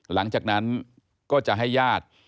หลังจากนั้นก็จะให้ญาติ